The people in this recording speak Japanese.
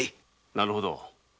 なるほど。